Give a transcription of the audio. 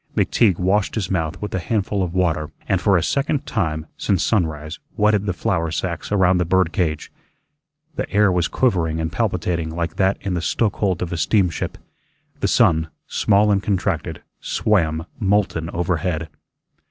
McTeague washed his mouth with a handful of water and for a second time since sunrise wetted the flour sacks around the bird cage. The air was quivering and palpitating like that in the stoke hold of a steamship. The sun, small and contracted, swam molten overhead.